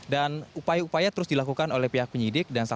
dan upaya upaya terus dilakukan oleh pihak penyidik